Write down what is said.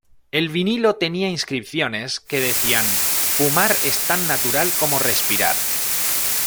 El vinilo tenía inscripciones que decían "Fumar es tan natural como respirar.